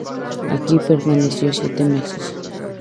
Aquí permaneció siete meses.